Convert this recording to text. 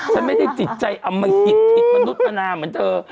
ฉันไม่ได้จิตใจอมหิตผิดมนุษย์มนาเหมือนเธอ